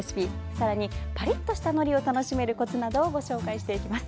さらに、パリッとしたのりを楽しめるコツなどをご紹介します。